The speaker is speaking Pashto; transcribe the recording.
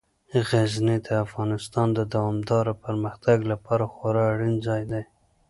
غزني د افغانستان د دوامداره پرمختګ لپاره خورا اړین ځای دی.